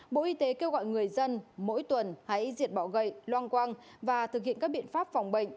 bộ y tế kêu gọi người dân mỗi tuần hãy diệt bỏ gậy loang quang và thực hiện các biện pháp phòng bệnh